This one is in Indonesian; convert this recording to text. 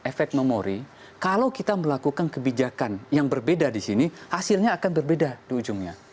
efek memori kalau kita melakukan kebijakan yang berbeda di sini hasilnya akan berbeda di ujungnya